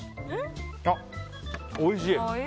おいしい！